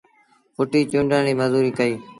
ڦٽيٚ چونڊڻ ريٚ مزوريٚ ڪئيٚ۔